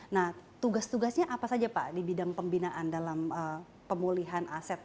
nah tugas tugasnya apa saja pak di bidang pembinaan dalam pemulihan aset